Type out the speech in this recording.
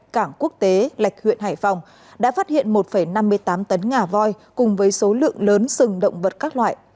cảng quốc tế lạch huyện hải phòng đã phát hiện một năm mươi tám tấn ngà voi cùng với số lượng lớn sừng động vật các loại